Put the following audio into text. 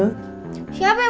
siapa yang mau senyum